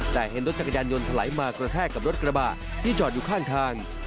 แต่เห็นรถจักรยานยนต์ถลายมากระแทกกับรถกระบะที่จอดอยู่ข้างทาง